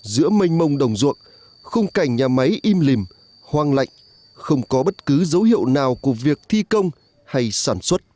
giữa mênh mông đồng ruộng khung cảnh nhà máy im lìm hoang lạnh không có bất cứ dấu hiệu nào của việc thi công hay sản xuất